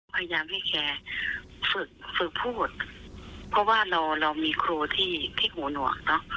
พยายามให้แกฝึกฝึกพูดเพราะว่าเราเรามีครูที่พลิกหูหนวกเนอะ